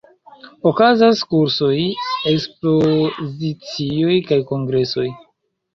Okazas kursoj, ekspozicioj kaj kongresoj.